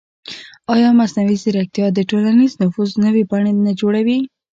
ایا مصنوعي ځیرکتیا د ټولنیز نفوذ نوې بڼې نه جوړوي؟